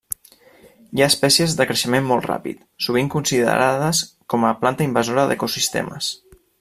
Hi ha espècies de creixement molt ràpid, sovint considerades com a planta invasora d'ecosistemes.